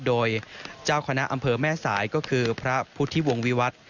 โดยเจ้าคณะอำเภอแม่สายก็คือพระพุทธิวงวิวัตร